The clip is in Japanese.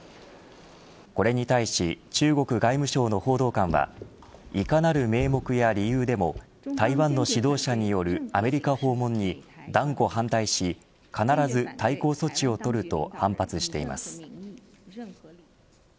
これに対し中国外務省の報道官はいかなる名目や理由でも台湾の指導者によるアメリカ訪問に断固反対し必ず対抗措置をとると反発しています。